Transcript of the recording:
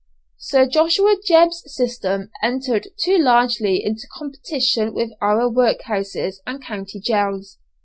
Sir Joshua Jebb's system entered too largely into competition with our workhouses and county jails.